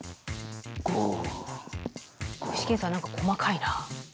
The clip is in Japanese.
具志堅さん何か細かいな。